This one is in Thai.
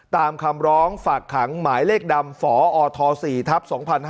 ตามคำร้องฝากขังหมายเลขดำฝอท๔ทัพ๒๕๕๙